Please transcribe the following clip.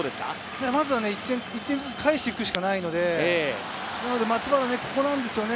まずは１点ずつ返していくしかないので、松原ここなんですよね。